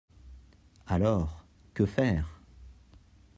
Alors, que faire?